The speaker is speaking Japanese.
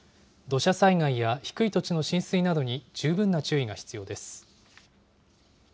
土砂災害や低い土地の浸水などに、十分な注意が必要です。